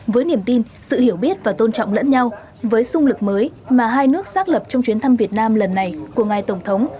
với niềm tin sự hiểu biết và tôn trọng lẫn nhau với sung lực mới mà hai nước xác lập trong chuyến thăm việt nam lần này của ngài tổng thống